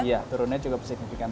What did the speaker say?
iya turunnya juga bersignifikan